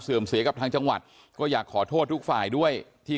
เสียกับทางจังหวัดก็อยากขอโทษทุกฝ่ายด้วยที่